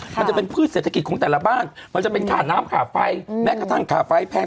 มันจะเป็นพืชเศรษฐกิจของแต่ละบ้านมันจะเป็นค่าน้ำค่าไฟแม้กระทั่งค่าไฟแพง